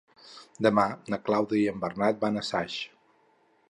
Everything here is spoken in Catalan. Demà na Clàudia i en Bernat van a Saix.